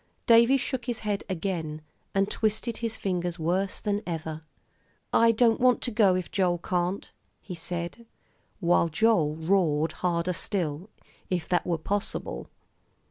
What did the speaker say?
Davie shook his head again, and twisted his fingers worse than ever. "I don't want to go if Joel can't," he said, while Joel roared harder still, if that were possible.